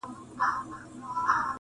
که مي نصیب وطن ته وسو,